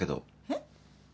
えっ？